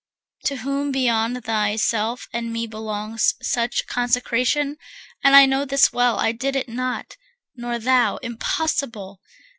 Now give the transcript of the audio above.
To whom beyond thyself and me belongs Such consecration? And I know this well, I did it not, nor thou. Impossible!